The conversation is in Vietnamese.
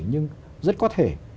nhưng rất có thể